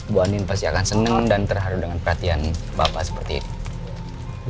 bu andien pasti akan seneng dan terhadu dengan perhatian bapak seperti ini